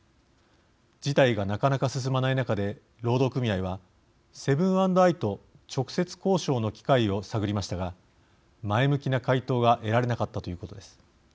事態が、なかなか進まない中で労働組合はセブン＆アイと直接交渉の機会を探りましたが前向きな回答は得られなかったということです。